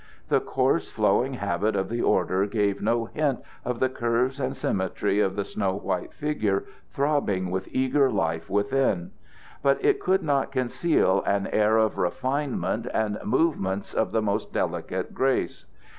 The coarse, flowing habit of the order gave no hint of the curves and symmetry of the snow white figure throbbing with eager life within; but it could not conceal an air of refinement and movements of the most delicate grace.